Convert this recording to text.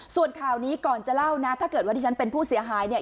ส่วนข่าวนี้ก่อนจะเล่านะถ้าเกิดว่าที่ฉันเป็นผู้เสียหายเนี่ย